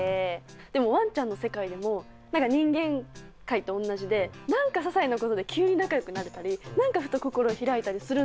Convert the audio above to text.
でもワンちゃんの世界でも何か人間界と同じで何かささいなことで急に仲よくなれたり何かふと心開いたりするんだなと思って。